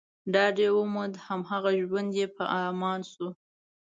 ډاډ يې وموند، همه ژوند يې په امان شو